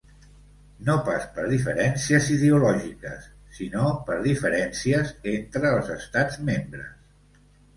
No pas per diferències ideològiques, sinó per diferències entre els estats membres.